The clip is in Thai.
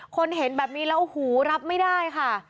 คนเห็นแบบนี้แล้วหูรับไม่ได้ค่ะ